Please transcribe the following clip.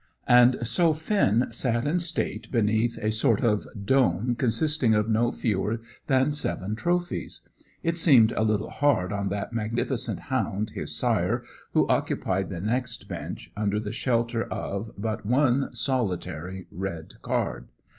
And so Finn sat in state beneath a sort of dome consisting of no fewer than seven trophies. It seemed a little hard on that magnificent hound, his sire, who occupied the next bench, under the shelter of but one solitary red card.